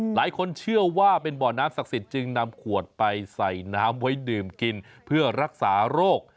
หลายคนเชื่อว่าเป็นบ่อน้ำศักดิ์สิทธิ์จึงนำขวดไปใส่น้ำไว้ดื่มกินเพื่อรักษาโรค